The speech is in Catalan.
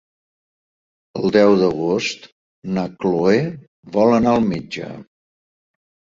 El deu d'agost na Chloé vol anar al metge.